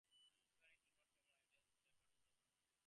Were it not for my ideals I would abandon the work.